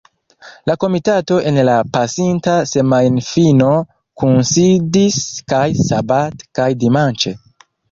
La komitato en la pasinta semajnfino kunsidis kaj sabate kaj dimanĉe.